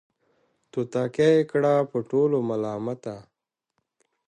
توتکۍ یې کړه په ټولو ملامته